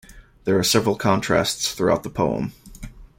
There are several contrasts throughout the poem.